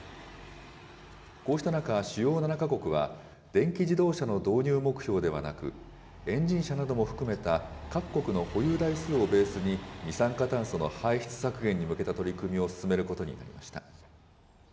こうした中、主要７か国は、電気自動車の導入目標ではなく、エンジン車なども含めた各国の保有台数をベースに、二酸化炭素の排出削減に向けた取り組みを進めることになりました。